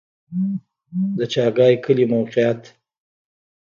د چاګای کلی موقعیت